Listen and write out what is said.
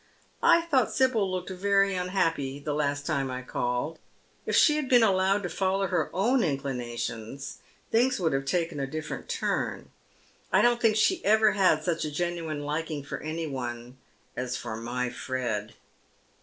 I thought Sibyl looked very unhappy the last time I called. If she had been allowed to follow her own inclinations things would have taken a diflEerent turn. I don't think she ever had such a genuine liking for any one as for my Fred."